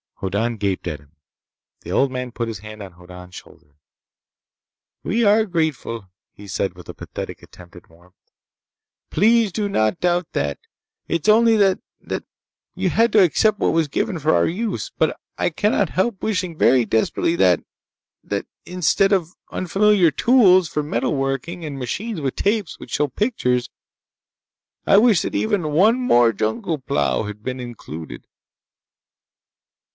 Hoddan gaped at him. The old man put his hand on Hoddan's shoulder. "We are grateful," he said with a pathetic attempt at warmth. "Please do not doubt that! It is only that ... that— You had to accept what was given for our use. But I cannot help wishing very desperately that ... that instead of unfamiliar tools for metal working and machines with tapes which show pictures.... I wish that even one more jungle plow had been included!"